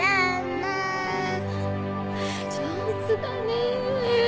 上手だね。